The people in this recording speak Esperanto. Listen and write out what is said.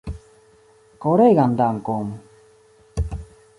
Koregan dankon!